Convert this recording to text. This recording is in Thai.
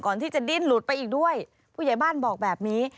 ที่จะดิ้นหลุดไปอีกด้วยผู้ใหญ่บ้านบอกแบบนี้